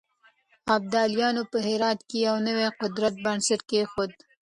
ابدالیانو په هرات کې د يو نوي قدرت بنسټ کېښود.